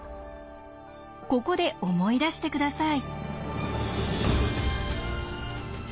ここで思い出して下さい。